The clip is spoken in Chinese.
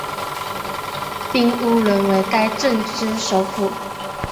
彬乌伦为该镇之首府。